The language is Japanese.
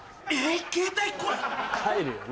入るよね